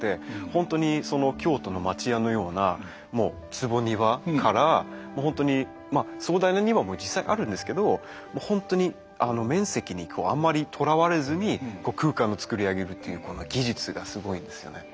本当にその京都の町家のようなもう坪庭から本当にまあ壮大な庭も実際にあるんですけどもう本当に面積にあんまりとらわれずに空間をつくり上げるというこの技術がすごいんですよね。